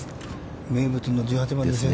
名物の１８ですね。